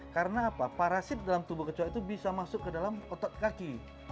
karena apa parasit dalam tubuh kecoak itu bisa masuk ke dalam otot kaki